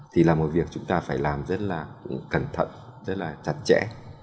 thì là một việc chúng ta phải làm rất là cẩn thận rất là chặt chẽ